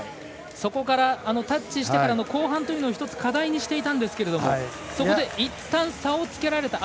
そこから、タッチしてからの後半というのを１つ課題にしていたんですけどもそこでいったん、差をつけられた。